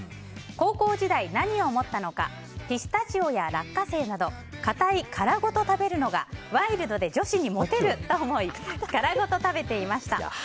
高校時代、何を思ったのかピスタチオや落花生など硬い殻ごと食べるのがワイルドで女子にモテると思い殻ごと食べていました。